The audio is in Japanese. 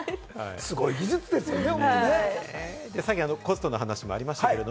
すごい技術ですよね。